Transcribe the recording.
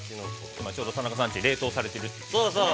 ◆今、ちょうど田中さんち冷凍されていると言ってましたね。